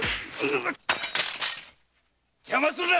邪魔するな！